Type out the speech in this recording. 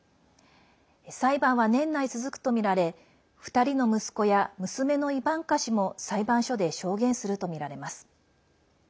裁判は年内、続くとみられ２人の息子や娘のイバンカ氏も裁判所で証言するとみられます。